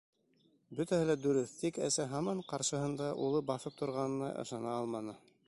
Бөтәһе лә дөрөҫ, тик әсә һаман ҡаршыһында улы баҫып торғанына ышана алманы.